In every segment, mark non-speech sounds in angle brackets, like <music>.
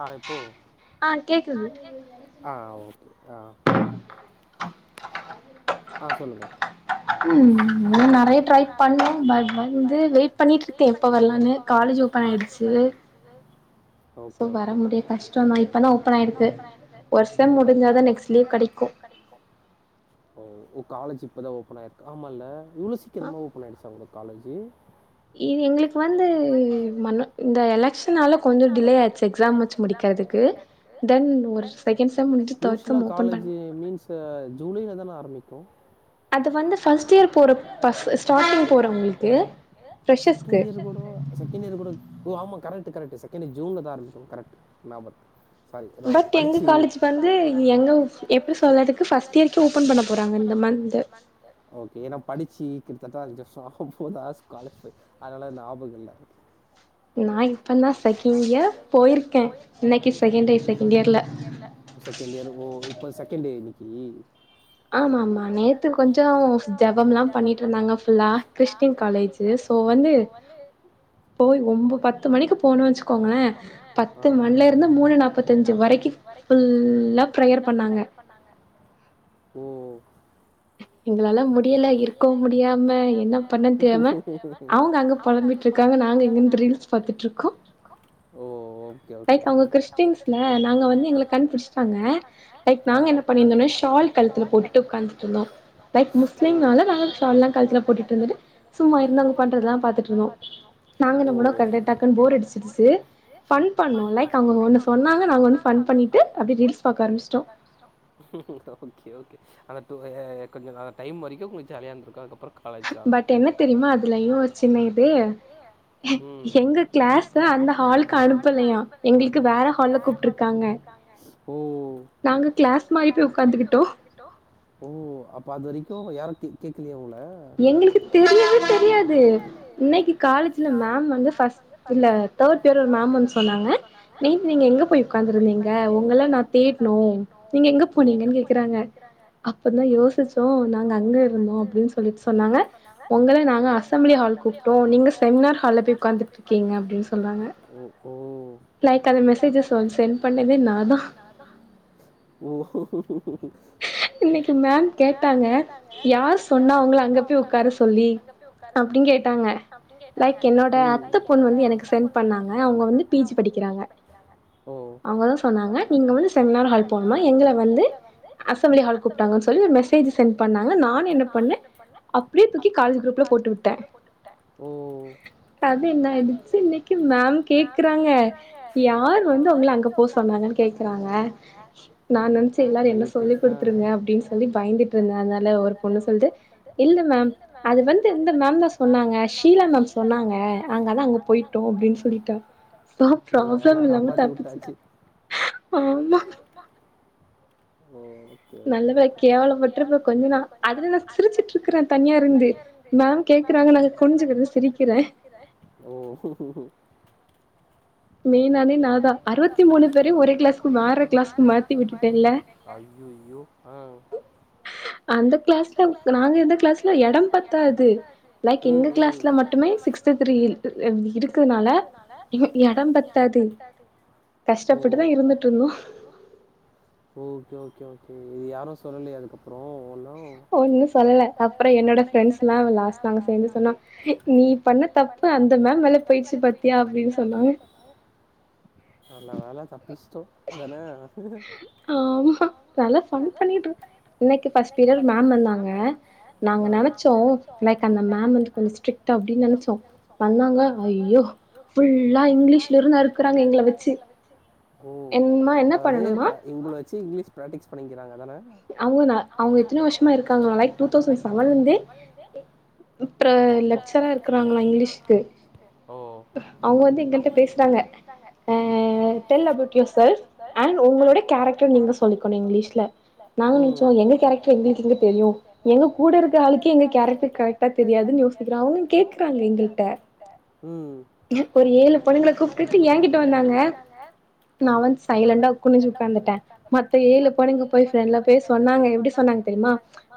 ஆ இப்போ ஆ கேக்குது ஆ ஓகே ஆ ஆ சொல்லுங்க உம் இன்னு நெறைய ட்ரை பண்ணே பட் வந்து வெயிட் பண்ணிட்ருக்கே எப்ப வரலான்னு காலேஜ் ஓ பன் ஆயிடுச்சு <inaudible> சோ வர முடியும் கஷ்டம் தா இப்பன ஓப்பன் ஆயிருக்கு வருஷம் முடிஞ்சாதான் நெக்ஸ்ட் லீவ் கெடைக்கும் பவ் ஒ காலேஜ் இப்போதா ஓப்பன் ஆயிருக்கு ஆமா இல்ல இவ்லசிக்கிரமா ஓப்பன் ஆய்டுச்சா உங்க காலேஜூ இது எங்களுக்கு வந்து மன்னோ இந்த எல டென்சன்னால கொஞ்சோ டிலெ ஆச்சி எக்ஸாம் வச்சி முடிக்கறதுக்கு தென் ஒரு செகண்ட் சம் முடு யூஸ்வலா காலேஜு மீன்ஸ் ஜூலையில தான ஆரம்பிக்கு அது வந்து பஸ்ட்இயர் போற பஸ்ட்ப்ப டாட்டிங் போறவங்களுக்கு <inaudible> செகண்ட் இயர் கூட ஓ ஆமா கரெட்டு கரெட்டு செகண்டு ஜூன்தா ஆரம்பிக்கு கரெட் ஞாபத் பட் எங்க காலேஜ் வந்து எங்க எப்ர சொல்றதுக்கு ஃபர்ஸ்ட் இயருக்கு உப் ஓப்பன் பண்ண போறாங்க இந்த மந்த்து ஓகே ஏனா படிச்சி கிட்டத்தட்ட அஞ்சி வருஷோ ஆகபோத காலேஜ்பே அதனால ஞாபக இல்ல நா இப்பதா செகண்ட் இயர் போய்ருக்கே இன்னக்கி செகண்ட் டே செகண்ட் இயர்ல செகண்ட் இயர் ஓ இப்போ செகண்ட் டே இன்னக்கி ஆமா ஆமா நேத்து கொஞ்சோ ஜபம்லா பண்ணிட்டு இருந்தாங்க புல்லா கிறிஸ்டின் காலேஜி ஸ் சோ வந்து போய் ஒம்ப பத்து பத்து மணிக்கு போணு வச்சிக்கோங்க அ பத்து மண்டே இருந்து மூணு நாப்பத்தஞ்சி வரை புல்லா பிரயர் பண்ணாங்க ஒ எங்களால முடியல இருக்கோவு முடியாம என்ன பண்ண தெரியாம அவுங்க அங்க பொழம்பிட் டுக்காக நாங்க இங்கெந்து ரீல்ஸ் பாத்துட்டுருக்கோ ஒ ஓ ஒகே ஒகே ஓகே நாங்க என்ன பண்ணிருந்தோம்ன ஷால் கழுத்ல போட்டுட்டு உட்காந்துருந்தோ <inaudible> ஷால் கழுத்ல போட்டுட்டு இருந்த சும்மா இருந்தவங்க பண்றதெல்லா பாத்துட்டு இருந்தோ நாங்க என்ன பன்னோ கண்டெடாக் போர் அடிச்சிடுச்சி பண் பண்ணோ லைக் அவுங்க ஒன்னு சொன்னாங்க நாங்க வந்து பன் பண்ணிட்டு அப்டியே ரீல்ஸ் பாக்க ஆரம்பிச்சிட்டோ ஓகே ஓகே அந்த டுவய கொஞ்சோ கால டைம் வரைக்கு கொஞ்சோ ஜாலியாக இருந்துருக்கு அதுக்கப்ரோ பட் என்ன தெரியுமா அதுல ஒரு சின்ன இது எ எங்க <unintelligible> கிளாஸ்தா அந்த ஹாலுக்கு அனுப்பலயா எங்ளுக்கு வேற ஹால்ல கூப்புட்டு இருக்காங்க நாங்க கிளாஸ் மாரி போய் உக்காந்துகிட்டோ ஓ அப்ப அது வரைக்கு யாரு கே கேக்கலா உங்கள எங்களுக்கு தெரியவே தெரியாது இன்னைகி காலேஜ்ல மேம் வந்து பஸ்ட் இல்ல தேர்ட் பேரோட ஒரு மேம் வந்து சொன்னாங்க நேத்து நீங்க எங்க போய் உக்காந்துருந்தீங்க உங்கள நா தேட்னோ னோ நீங்க எங்க போனீங்க கேக்ராங்க அப்பதா யோசிச்சோ நாங்க அங்க இருந்தோ அப்டின்ஸ் சொல்லி சொன்னாங்க உங்கள நாங்க அசம்பிளி ஹால்ல கூப்ட்டோ நீங்க செமினார் ஹால்ல போய் உக்காந்துட்டுரு ஒகே க அப்டின்னு சொல்றாங்க லைக் அத மெசேஜஸ் சுவன் சென் பண்ணதே நா தா ஓ இன்னக்கி மேம் கேட்டாங்க யார் சொன்னா உங்கள அங்க போய் உட்கார சொல்லி அப்டிங் கேட்டாங்க லைக் என்னோட அத்தப் என்னோட அத்த பொண்ணு வந்து எனக்கு சென் பண்ணாங்க அவுங்க வந்து பீ இ படிக்கிறாங்க அவுங்க தா சொன்னாங்க நீங்க வந்து செமினார் ஹால் போணுமா எங்கள வந்து வந்து அசம்பெலி ஹால் கூப்ட்டாங்கன் சொல்லி ஒரு மெசேஜ் சென் பண்ணாங்க நானு என்ன பண்ணே அப்டியே தூக்கி காலேஜ் குரூப்ல போட்டு விட் ட ஓ ஒ கது என்னாயிடுச்சி இன்னக்கி மேம் கேக்றாங்க யார் வந்து அவுங்கள அங்க போ சொன்னாங்க கேக்றாங்க நா நெனச்ச எல்லாரு என்ன சொ சொல்லிகுடுத்துருங்க அப்டினு சொல்லி பயந்துட்டு இருந்தே அதனால ஒரு பொண்ணு சொல்லுது இல்ல மேம் அது வந்து இந்த மேம் தா சொன்னாங்க ஷீலா மேம் சொன்னாங்க நாங்க அதா அங்க போயிட்டோ அப்டின்னு சொல்லிட்டா சோ ப்ராப்ளம் இல்லாம தப்பிச்சுட்ட ஆமா ஓ நல்ல வேள கேவலப்பட்டுருப்ப கொஞ்ச நா அதுல நா சிரிச்சிட்டு இருக்கற தனியா இருந்து மேம் மேம் கேக்குறாங்க நாங்க குனிஞ்சினிருந்து சிரிக்கிற மெயின் ஆளே நான் தா அறுவத்தி மூணு பேரையு ஒரே கிளாஸ்க்கு வேற கிளாஸ்கு மாத்தி விட்டுட்டேல்ல ஐய்யய்யோ ஆ அந்த கிளாஸ்ல நாங்க இந்த கிளாஸ்ல எடம் பத்தாது லைக் எங்க கிளாஸ்ல மட்டுமே சிக்ஸ் ஸு த்ரீ இல் இருக்கறனால இப் எடம் பத்தாது கஷ்டப்பட்டுதா இருந்துட்டு இருந்தோ ஓகே ஓகே ஓகே இது யாரு சொல்லலயா அதுக்கப்புறோ ஒன்ன ஒன்னு சொல்லல அப்றோ என்னோட ஃப்ரெண்ட்ஸ்ல்லா லாஸ்ட் நாங்க சேந்து சொன்னோ நீ பண்ண தப்பு அந்த மேம் மேல போயிடிச்சி பாத்தியா அப்டின்னு சொன்னாங்க நல்ல வேல தப்பிச்சிட்டோ அதான ஆமா நல்லா ஃபன் பண்ணிட்டு இன்னைக்கு ஃபஸ்ட் பீரியட் மேம் வந்தாங்க நாங்க நெனச்சோ லைக் அந்த மேம் வந்து கொஞ்சோ ஸ்ட்ரிட் அப்டின்னு நெனச்சோ வந்தாங்க ஐயோ ஃபுல்லா இங்கிலீஷ் அறுக்குறாங்க எங்கள வச்சு ஓ அதாவது ப்ரா உங்கள வச்சி இங்கிலீஷ் பிராக்டிக்ஸ் பண்ணிக்கிறாங்க அதான அவுங்க நா அவுங்க எத்தனயோ வருஷமா இருக்காங்க லைக் டூ தௌசண் செவன்லந்தே ட்ற லெக்சரா இருக்குறாங்ளா இங்கிலீஷ்க்கு ஓ செல்ஃப் அண்ட் உங்களோட கேரக்டர் நீங்க சொல்லிக்கணு இங்கிலீஷ்ல நாங்க நெனச்சோ எங்க கேரக்டர் எங்களுக்கு எங்க தெரியு எங்க கூட இருக்க ஆளுக்கே எங்க கேரக்டர் கரெக்டா தெரியாதுன்னு யோசிக்கிற அவுங்க கேக்குறாங்க எங்கள்ட்ட ம் ஆ ஒரு ஏழு பொண்ணுங்கள கூப்ட்டுட்டு ஏங்கிட்ட வந்தாங்க நாலா சைலண்டா குனிஞ்சு உக்காந்துட்ட மத்த ஏழு பொண்ணுங்க போய் ஃப்ரெண்ட்லா போய் சொன்னாங்க எப்டி சொன்னாங்க தெரியுமா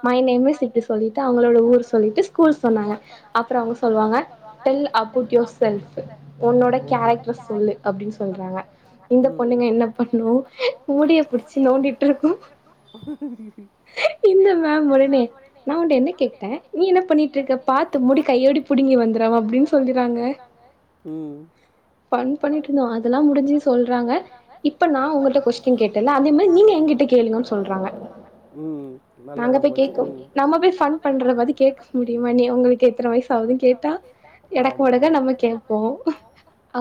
மை நேம் இஸ் இப்டி சொல்லிட்டு அவங்களோட ஊர் சொல்லிட்டு ஸ்கூல் சொன்னாங்க அப்றோ அவுங்க சொல்லுவாங்க டெல் அபோட் யுவர் செல்ஃபு உன்னோட கேரக்டர் சொல்லு அப்டின் சொல்றாங்க இந்த பொண்ணுங்க என்ன பண்ணு முடிய புடிச்சி நோண்டிட்டுருக்கு <unintelligible> இந்த மேம் ஒடனே நா ஒன்ட்ட என்ன கேட்ட நீ என்ன பண்ணிட்டு இருக்க பாத்து முடி கையோடி புடுங்கி வந்துரு அப்டின்னு சொல்லறாங்க ஃபன் பண்ணிட்ருந்தோ அதெல்லா முடிஞ்சி சொல்றாங்க இப்ப நா உங்களட்ட கொஸ்டின் கேட் டல்ல அதே மாரி நீங்க எங்கிட்ட கேளுங்கன் சொ ல்றாங்க நாங்க போய் கேக்கு நம்ம போய் ஃபன் பண்ற மாதி கேக் கேக்க மாட்டியா உங்களுக்கு எத்தன வயசாவுது கேட்டா எனக்கு ஒடஞ்சா நம்ம கேப்போ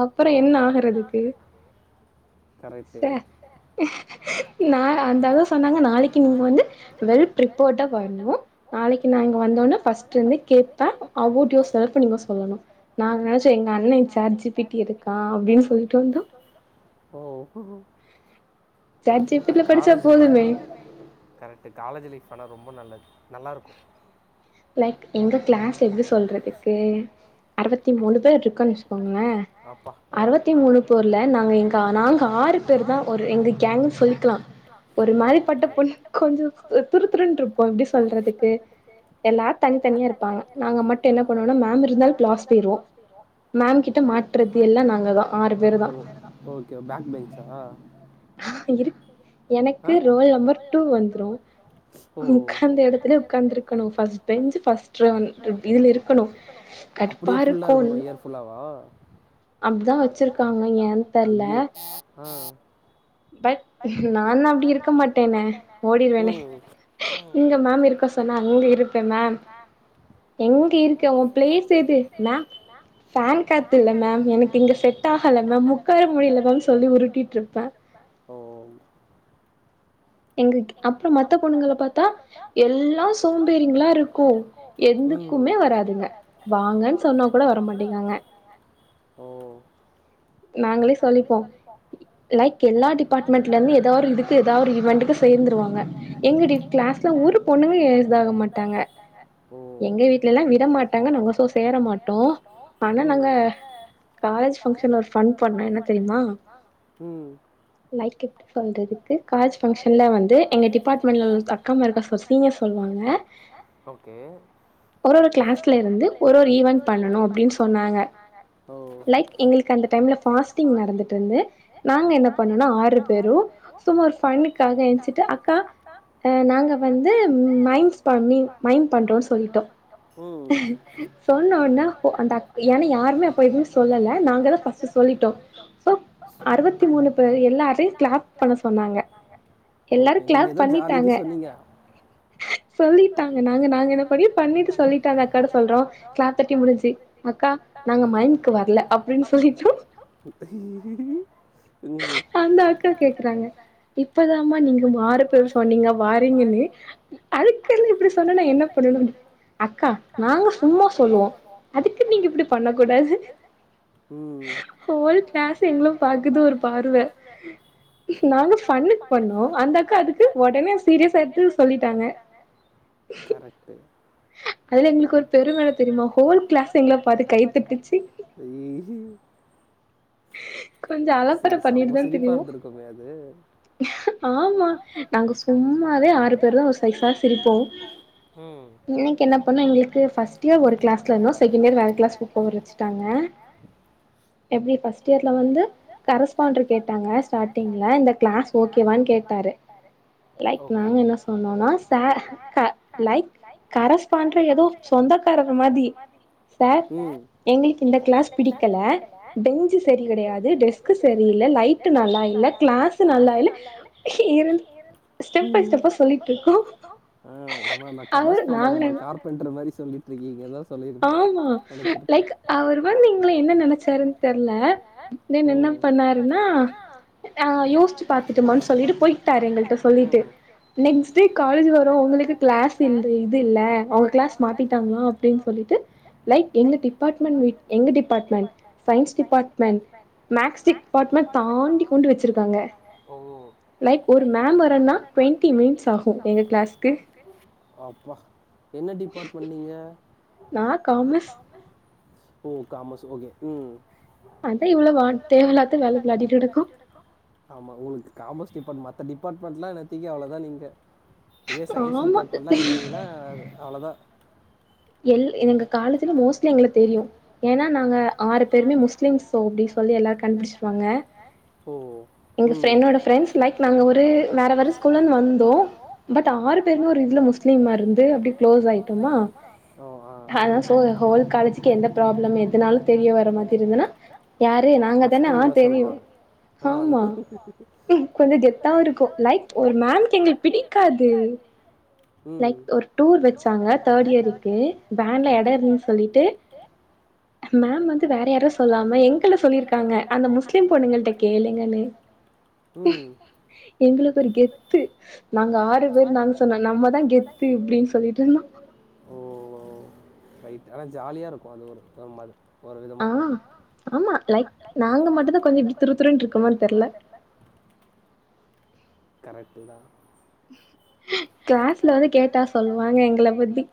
அப்றோ என்ன ஆகறதுக்கு நா அந்ததா சொன்ன நாங்க நாளைக்கு நீங்க வந்து வெல் பிரிப்பேர்டா வர்ணு நாளைக்கு நா இங்க வந்தவொன்னே ப ஃபஸ்ட்டு வந்து கேப்ப அபவ்ட் யுவர் செல்ஃப்ன்னு நீங்க சொல்லணு நா நெனச்ச எங்க அண்ண சாட் ஜி பி டி எடுக் கா அப்டின் சொல்லிட்டு வந்தோ ஓ சாட் ஜி பி டி ல படிச்சா போதுமே கரெட்டு காலேஜ் லைஃப் ஆனா ரொம்ப நல்லது நல்லாருக்கு லைக் எங்க கிளாஸ் எப்டி சொல்றதுக்கு அறுவத்தி மூணு பேர் இருக்கோன் வச்சுக்கோங்ளே அறுவத்தி மூணு போர்ல நாங்க எங்க நாங்க ஆறு பேர் தா ஒரு எங்க கேங்ன் சொல்லிக்லா ஒரு மாரி பட்ட பொண் கொஞ்சோ துருத்துருன்ருப்போ எப்டி சொல்றதுக்கு எல்லார் தனி தனியா இருப்பாங்க நாங்க மட்டு என்ன பண்ணுவோனா மேம் இருந்தா க்ளாஸ் போயிரு கிளாஸ் பேய்ர்வோ மேம்கிட்ட மாட்றது எல்லா நாங்க தா ஆறு பேர் தா ஓகே பேக் பெஞ்சா இரு எனக்கு ரோல் நம்பர் டூ வந்துரு உக்காந்த எடத்துலே உக்காந் இருக்கனு ஃபஸ்ட் பெஞ்ச் ஃபஸ்ட் ரோ வந் இருந்த இருக்கனு கடுப்பா இருக்கு அப்டிதா வச்சிருக்காங்க ஏன் தெர்ல ஆ பட் நானு அப்டி இருக்க மாட்டேனே ஓடிருவேனே இங்க மேம் இருக்க இருக்க சொன்னா இங்க இருப்பல்ல எங்க இருக்க உ பிளேஸ் எது மே ஃபேன் காத்து இல்ல மேம் எனக்கு இங்க செட் ஆகல மேம் உக்கார முடியில மேம் சொல்லி உருட்டிட்ருப்பே எங்கக்கு அப்புறோ மத்த பொண்ணுங்கள பாத்தா எல்லா சோம்பேறிங்ளா இருக்கு எந்துக்குமே வராதுங்க வாங்கன் சொன்னா கூட வர மாட்டேகிறாங்க ஓ நாங்களே சொல்லிப்போ லைக் எல்லா டிபாட்மெண்ட்ல இர்ந்து ஏதா ஒரு இதுக்கு ஏதா ஒரு ஈவென்ட்க்கு சேந்துருவாங்க எங்க டி கிளாஸ்ல ஒரு பொண்ணுங்க ஏஸ்தாக மாட்டாங்க எங்க வீட்ல எல்லா விட மாட்டாங்க நாங்க சோ சேர மாட்டோ ஆனா நாங்க காலேஜ் ஃபங்க்ஷன்ல ஒரு ஃபன் பண் ஃபன் பண்ணா என்ன தெரியுமா லைக் எப்டி சொல்றதுக்கு காலேஜ் ஃபங்க்ஷன்ல வந்து எங்க டிபாட்மெண்ட்ல அக்கா மெரட்ட சொஸ் சீனியர்ஸ் வந்த ஒன்னே ஒரு ஒரு கிளாஸ்ல இருந்து ஒரு ஒரு ஈவன் பண்ணணு அப்டின் சொன்னாங்க லைக் எங்களுக்கு அந்த டைம் பாஸ்டிங் நடந்துட் இருந்து நாங்க என்ன பண்ணனா ஆறு பேரு சும்மா ஒரு ஃபன்னுக் ஃபன்னுக்காக எடுத்துட்டு அக்கா அ நாங்க வந்து மைம்ஸ் பண்ணி மைம் பண்றோன் சொல்லிட்டோ சொன்ன ஒட்ன போ அந்த அக் ஏனா யாருமே அப்போ எதுமே சொல்லல நாங்க தா ஃபஸ்ட் சொல்லிட்டோ சோ அறுவத்தி மூணு பேரு எல்லாதையு கிளாப் பண்ண சொன்னாங்க எல்லாரு கிளாப் பண்ணிட்டாங்க சொல்லிட்டாங்க நாங்க நாங்க என்ன பண்ணி பண்ணிட்டு சொல்லிட்டாங்க அக்கானு சொல்றோ கிளாப் தட்டி முடிஞ்சி அக்கா நாங்க மைம்க்கு வரல அப்டின் சொல்லிட் சொல்லிட்டோ அந்த அக்கா கேக்கறாங்க இப்பதாமா நீங்க ஆறு பேரு சொன்னீங்க வாறீங்கன்னு அதுக்குல்ல இப்டி சொன்ன நா என்ன பண்ணனு அக்கா நாங்க சும்மா சொல்லுவோ அதுக்கு நீங்க இப்டி பண்ண கூடாது ம் ஹோல் கிளாஸு எங்கள பாக்குது ஒரு பார்வ நாங்க ஃபண்ணுக்கு பண்ணோ அந்த அக்கா அதுக்கு உடனே சீரியஸா எடுத்து சொல்லிட்டாங்க கரெக்ட்டு அதுல எங்களுக்கு ஒரு பெரும வேற தெரியுமா ஹோல் கிளாஸ் எங்களை பாத்து கை தட்டுச்சு ஐ கொஞ்ச அலப்பர பண்ணிட்டுதா திரியுவோ ஆமா நாங்க சும்மாவே ஆறு பேரு தா ஒரு சைசா சிரிப்போ இன்னைக்கு என்ன பண்ணோ எங்களுக்கு ஃபஸ்ட் இயர் ஒரு கிளாஸ்ல இருந்தோ செகண்ட் இயர் வேற கிளாஸ் போவ வச்சுட்டாங்க ஆ எப்டி ஃபர்ஸ்ட் இயர்ல வந்து கரஸ்பாண்டர் கேட்டாங்க ஸ்டார்டிங்ல இந்த கிளாஸ் ஓகேவான்னு கேட்டாரு லைக் நாங்க என்ன சொன்னோனா சா லைக் கரஸ்பாடர் எதோ சொந்த சொந்தகாரர் மாதிரி சார் எங்களுக்கு இந்த கிளாஸ் பிடிக்கல பெஞ்சு சரி கிடையாது டெஸ்க் டெஸ்க் சரியில்ல லைட் நல்லா இல்ல கிளாஸ் நல்லா இல்ல இரு ஆ ஏமா நா கரஸ்பான்டர்மா கார்பென்டர் மாரி சொல்லிட்டு இருக்கீங்க அதா சொல்லிருப்ப நெனச்சிருப்பாரு வந்து எங்கள என்ன நினைச்சாருன்னு தெர்ல தென் என்ன பண்ணாருன்னா ஆ யோசிச்சு பாத்துட்டுமானு சொல்லிட்டு போயிட்டாரு எங்கள்ட்ட சொல்லிட்டு நெக்ஸ் டே காலேஜ் வரோ உங்களுக்கு கிளாஸ் இல்ல இது இல்ல உங்க கிளாஸ் மாத்திட்டாங்களா அப்டின்னு சொல்லிட்டு லைக் எங்க டிபார்ட்மெண்ட் மீட் எங்க department science department maths department தாண்டி போட்டு வச்சிருக்காங்க லைக் ஒரு மேம் வரன்னா டுவெண்ட்டி மினிட்ஸ் ஆகு எங்க க்ளாஸ்க்கு அப்பா என்ன டிபார்ட்மெண்ட் நீங்க ஓ காமஸ் ஓகே ம் அதா இவ்ளவா தேவ இல்லாதுக்கு வேல விளாட்டிகிட்டு கெடக்கோ ஆமா உங்களுக்கு காமர்ஸ் டிபார்ட்மென்ட் மத்த டிபார்ட்மெண்ட்லா எடுத்திங்க அவ்ளதா நீங்க இதே சயின்ஸ் டிபார்ட்மெண்ட்லா இருந்தீங்கனா அவ்ளதா எல் எங்க காலேஜ்ல மோஸ்ட்லி எங்கள தெரியு ஏன்னா நாங்க ஆறு பேருமே முஸ்லிம்ஸோ அப்டி சொல்லி எல்லாரு கண்டுபிடிச்சிருவாங்க எங்க ஃபிரண்டோட ஃபிரண்ட்ஸ் லைக் நாங்க ஒரு வேற வேற ஸ்கூல்லந்து வந்தோ பட் ஆறு பேருமே ஒரு இதுல முஸ்லீம்மா இருந்து அப்டியே க்ளோஸ் ஆயிட்டோமா ஓ ஆ ஆ சோ ஹோல் காலேஜுக்கு எந்த ப்ராப்ளம் எதுனாலு தெரிய வரமா இருந்ததுன்னா யாரு நாங்க தானே ஆ தெரியு ஆ அந்த கூட்டு கொஞ்ச கெத்தாவு இருக்கு லைக் ஒரு மேம்க்கு எங்கள பிடிக்காது லைக் ஒரு டூர் வெச்சாங்க தேர்ட் இயருக்கு வேன்ல எட இல்லனு சொல்லிட்டு மேம் வந்து வேற யாரோ சொல்லாம எங்கள சொல்லிருக்காங்க அந்த முஸ்லிம் பொண்ணுகள்ட கேளுங்கன்னு ம் எங்களுக்கு ஒரு கெத்து நாங்க ஆறு பேர் நாங்க சொன்னோ நம்மதா கெத்து அப்டின்னு சொல்லிட்டு இருந்தோ ஓ ரைட் ஆனா ஜாலியா இருக்கு அது ஒரு மாரி ஆ ஆமா லைக் நாங்க மட்டுதா கொஞ்ச இப்டி துருத்துருன்னு இருக்கோமானு தெர்ல கரெக்ட் தா கிளாஸ்ல வந்து கேட்டா சொல்லுவாங்க எங்கள பத்தி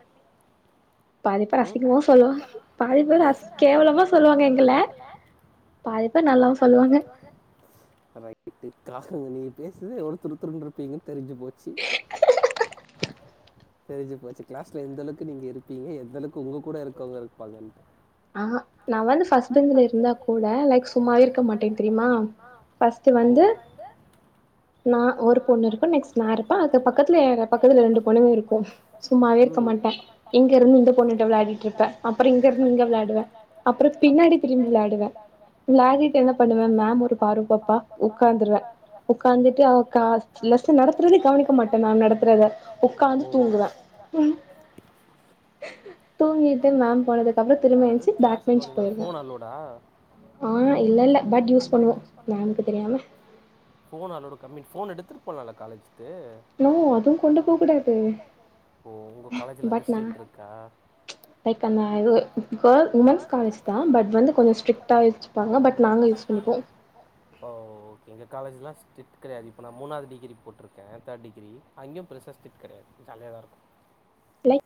பாதி பேரு அசிங்கமா சொல்லுவாங் பாதி பேரு கேவலமா சொல்லுவாங்க எங்கள பாதி பேரு நல்லாவு சொல்லுவாங்க ட்டு க்ளாஸ்ல நீங்க பேசுத எவ்வளோ துரு துருனு இருப்பீங்கன்னு தெரிஞ்சு போச்சு தெரிஞ்சி போச்சு க்ளாஸ்ல எந்தளவுக்கு நீங்க இருப்பீங்க எந்த அளவுக்கு உங்க கூட இருக்கவங்க இருப்பாங்கன்னு ஆ நா வந்து ஃபஸ்ட் பெஞ்சில இருந்தா கூட லைக் சும்மாவே இருக்க மாட்டே தெரியுமா ஓ நா ஒரு பொண்ணு இருக்கு நெக்ஸ்ட் நா இருப்ப அது பக்கத்துல எ பக்கத்துல ரெண்டு பொண்ணுக இருக்கு சும்மாவே இருக்க மாட்ட இங்க இருந்து இந்த பொண்ணுட்ட விளாடிட்டு இருப்ப அப்பற இங்க இருந்து இங்க விளையா வே அப்பற பின்னாடி திரும்பி விளாடுவே விளாடிட்டு என்ன பண்ணுவே மேம் ஒரு பார்வ பாப்பா உக் காந்திருவே உக்காந்துட்டு அவ க்ளா லெசன் நடத்துறதே கவனிக்க மாட்ட மேம் நடத்துறத உக்காந்து தூங்குவா தூங்கிட்டு மேம் போனதுக்கப்பறோ திரும்பி எந்தி க்ளாசுக்கு உங்களுக்கு ஃபோன் அலோடா ஆ இல்ல இல்ல பட் யூஸ் பண்ணுவோ மேம்க்கு தெரியாம ஃபோன் அளவுடு கம்மி ஃபோன் எடுத்துட்டு போலால காலேஜ்க்கு ஓ அதுவு கொண்டு போவ கூடாது உங்க காலேஜ்ல வந்து ஸ்ட்ரீட் இருக்கா <unintelligible> ஃபாஸ்ட் உமன்ஸ் காலேஜ் தா பட் வந்து கொஞ்ச ஸ்டிப்டாதா வச்சுப்பாங்க பட் நாங்க ஓ ஓகேங்க காலேஜ்லா ஸ்டிட் கடையாது இப்ப நா மூனாவ்து டிகிரி போட்டுருக்கே தேர்ட் டிகிரி அங்கயு பெருசா ஸ்டிட் கடையாது ஜாலியாதாருக்கு